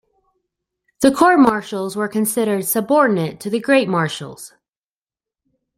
The Court Marshals were considered subordinate to the Great Marshals.